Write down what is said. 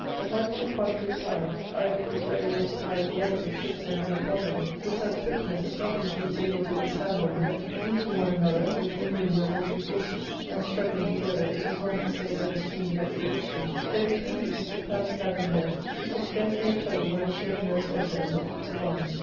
But like two contrary tides, either of which are able to carry worlds of ships and men «pon them, with such swiftness as nothing seems able to withstand them, yet, meeting one another, with mingling their watery forces and struggling together it is long to say whether stream gets the victory ; so between these, if Pallas had been there, she could scarcely have told whether she had nursed better in the feats of arms.